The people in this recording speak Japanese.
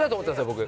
僕。